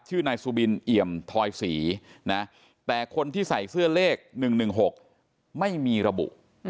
นายสุบินเอี่ยมทอยศรีนะแต่คนที่ใส่เสื้อเลข๑๑๖ไม่มีระบุ